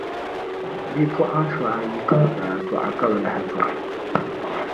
Bipuɣiŋsi ayi ka bɛ daa dɔɣi ka bi lahi dɔɣi.